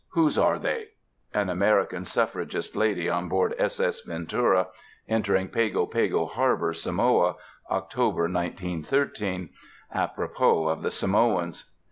Whose are they?" (An American Suffragist lady on board S.S. 'Ventura,' entering Pago Pago Harbour, Samoa, October 1913. Apropos of the Samoans.)